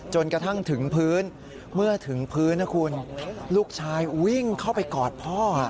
จนกระทั่งถึงพื้นเมื่อถึงพื้นนะคุณลูกชายวิ่งเข้าไปกอดพ่อ